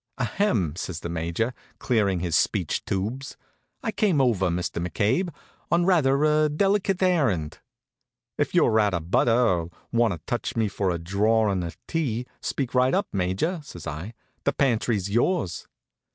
"Ahem," says the Major, clearin' his speech tubes, "I came over, Mr. McCabe, on rather a delicate errand." "If you're out of butter, or want to touch me for a drawin' of tea, speak right up, Major," says I. "The pantry's yours."